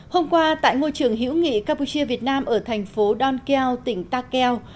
hôm qua tại ngôi trường hữu nghị campuchia việt nam ở thành phố don keo tỉnh ta keo